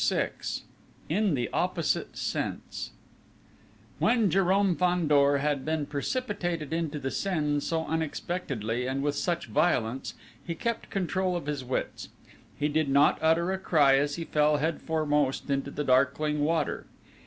VI IN THE OPPOSITE SENSE When Jérôme Fandor had been precipitated into the Seine so unexpectedly and with such violence he kept control of his wits: he did not utter a cry as he fell head foremost into the darkling river.